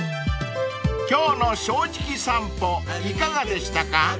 ［今日の『正直さんぽ』いかがでしたか？］